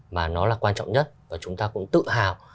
mà nó là quan trọng nhất và chúng ta cũng tự hào